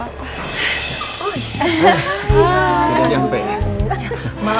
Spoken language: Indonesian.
jangan sampai ya